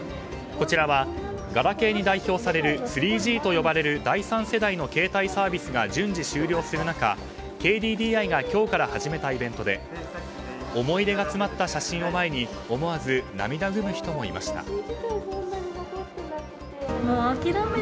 こちらはガラケーに代表される３Ｇと呼ばれる第３世代の携帯サービスが順次終了する中ＫＤＤＩが今日から始めたイベントで思い出が詰まった写真を前に思わず涙ぐむ人もいました。